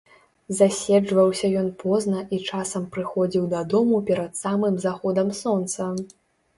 Заседжваўся ён позна і часам прыходзіў дадому перад самым заходам сонца.